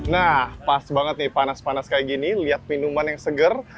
nah pas banget nih panas panas seperti ini lihat minuman yang segar